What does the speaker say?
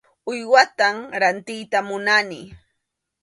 Uywatam rantiyta munani.